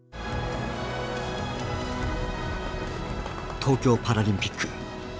東京パラリンピック開幕。